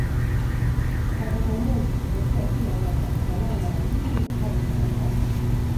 Kupatwa kwa Mwezi hutokea kila mwaka, angalau mara mbili hadi mara tano.